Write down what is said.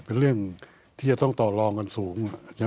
เป็นเรื่องที่จะต้องต่อรองกันสูง